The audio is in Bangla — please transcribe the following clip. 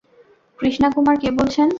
কৃষ্ণা কুমার, কে বলছেন?